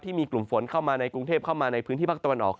ที่มีกลุ่มฝนเข้ามาในกรุงเทพเข้ามาในพื้นที่ภาคตะวันออก